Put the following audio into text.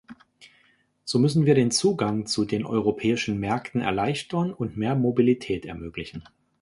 So müssen wir den Zugang zu den europäischen Märkten erleichtern und mehr Mobilität ermöglichen.